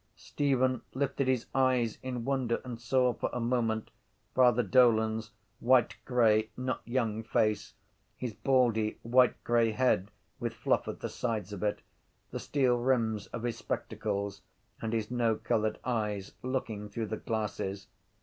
Stephen lifted his eyes in wonder and saw for a moment Father Dolan’s whitegrey not young face, his baldy whitegrey head with fluff at the sides of it, the steel rims of his spectacles and his no coloured eyes looking through the glasses.